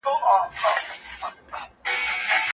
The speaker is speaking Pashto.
هغوی پرېږدئ؛ چاته چې يوازې د اړتيا په وخت کې يادېږئ.